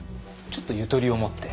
ちょっとゆとりを持って。